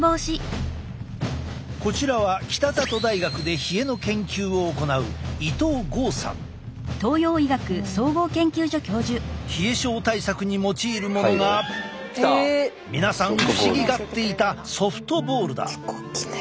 こちらは北里大学で冷えの研究を行う冷え症対策に用いるものが皆さん不思議がっていたソフトボールだ！